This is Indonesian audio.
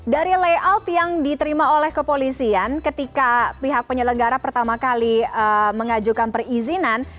dari layout yang diterima oleh kepolisian ketika pihak penyelenggara pertama kali mengajukan perizinan